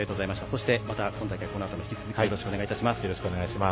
そして、また今大会引き続きよろしくお願いします。